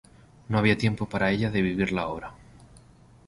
No había tiempo para ella de vivir la obra.